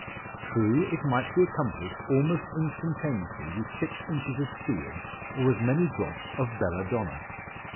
True, it might be accomplished, almost instantaneously with six inches of steel, or as many drops of belladonna.